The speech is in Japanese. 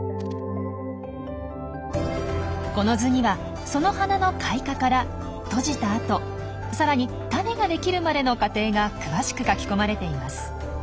この図にはその花の開花から閉じたあとさらに種ができるまでの過程が詳しく書き込まれています。